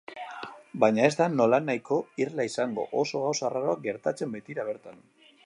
Baina ez da nolanahiko irla izango, oso gauza arraroak gertatzen baitira bertan.